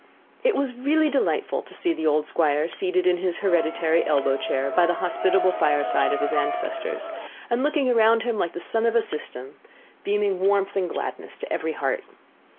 * * See Note B. It was really delightful to see the old Squire seated in his hereditary elbow chair by the hospitable fireside of his ancestors, and looking around him like the sun of a system, beaming warmth and gladness to every heart.